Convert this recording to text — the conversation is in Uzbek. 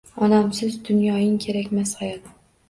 Onamsiz dunyoying kerakmas hayot!